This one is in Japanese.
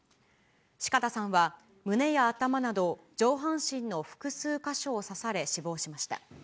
四方さんは胸や頭など、上半身の複数か所を刺され、死亡しました。